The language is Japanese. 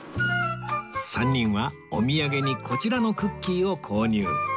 ３人はお土産にこちらのクッキーを購入